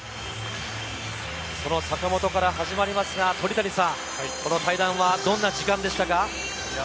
坂本から始まりますが鳥谷さん、この対談はどんな時間でしたか？